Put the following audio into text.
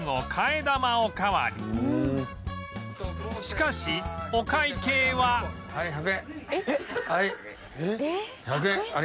しかしお会計は